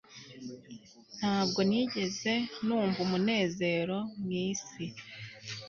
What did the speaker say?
Ntabwo nigeze numva umunezero mwisi